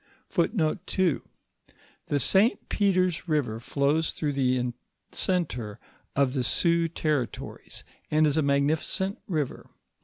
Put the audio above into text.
f The Si Peter's river flows through the centre of the Sioux territories, and is a magnificent river.